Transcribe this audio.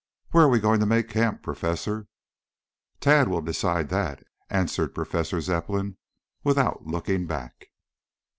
"Where are we going to make camp, Professor?" "Tad will decide that," answered Professor Zepplin without looking back.